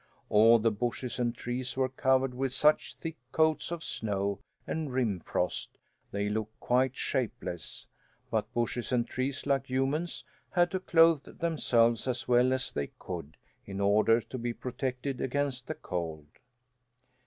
All the bushes and trees were covered with such thick coats of snow and rim frost they looked quite shapeless. But bushes and trees, like humans, had to clothe themselves as well as they could, in order to be protected against the cold.